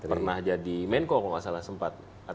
pernah jadi menko kalau nggak salah sempat